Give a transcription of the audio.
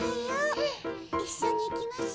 いっしょにいきましょ。